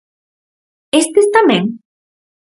¿Estes tamén?